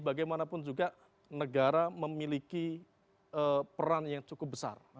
bagaimanapun juga negara memiliki peran yang cukup besar